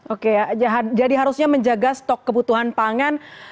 oke jadi harusnya menjaga stok kebutuhan pangan